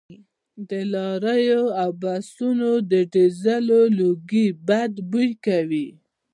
د لاریو او بسونو د ډیزلو لوګي بد بوی کوي